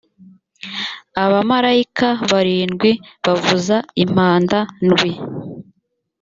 abamarayika barindwi bavuza impanda ndwi